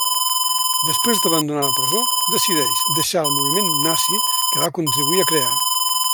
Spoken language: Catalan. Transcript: Després d'abandonar la presó, decideix deixar el moviment nazi que va contribuir a crear.